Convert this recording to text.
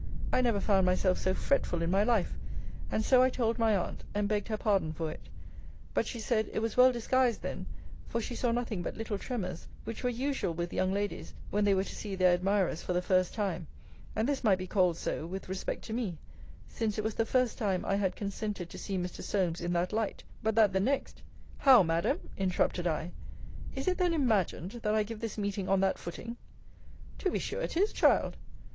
I never found myself so fretful in my life: and so I told my aunt; and begged her pardon for it. But she said, it was well disguised then; for she saw nothing but little tremors, which were usual with young ladies when they were to see their admirers for the first time; and this might be called so, with respect to me; since it was the first time I had consented to see Mr. Solmes in that light but that the next How, Madam, interrupted I Is it then imagined, that I give this meeting on that footing? To be sure it is, Child.